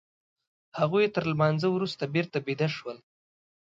هغوی تر لمانځه وروسته بېرته بيده شول.